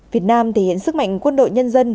việt nam thể hiện sức mạnh quân đội nhân dân